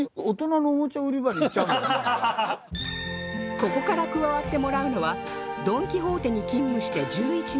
ここから加わってもらうのはドン・キホーテに勤務して１１年